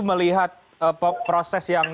melihat proses yang